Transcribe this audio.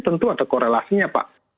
tentu ada korelasinya pak